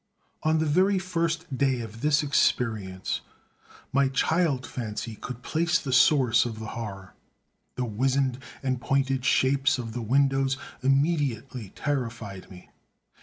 On the very first day of this experience, my child fancy could place the source of the horror. The wizened and pointed shapes of the windows immediately terrified me.